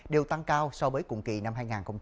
đều tăng cao so với cùng kỳ năm hai nghìn hai mươi hai